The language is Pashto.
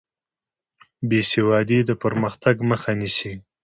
بېسوادي د پرمختګ مخه نیسي.